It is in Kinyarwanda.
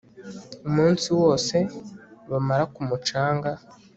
umunsi wose bamara ku mucanga